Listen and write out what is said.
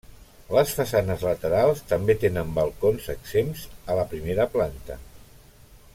Les façanes laterals també tenen balcons exempts a la primera planta.